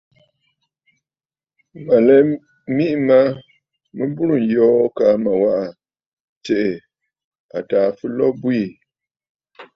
Mə̀ lɛ miʼì ma mɨ burə̀ yoo kaa mə waʼà tsiʼì àtàà fɨlo bwiî.